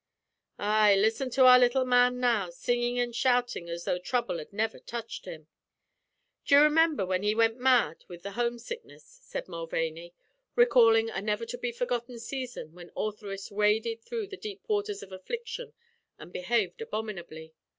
"Ay, listen to our little man now, singin' and shoutin' as tho' trouble had never touched him! D'ye remember when he went mad with the homesickness?" said Mulvaney, recalling a never to be forgotten season when Ortheris waded through the deep waters of affliction and behaved abominably.